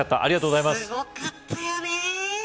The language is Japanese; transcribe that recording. すごかったよね。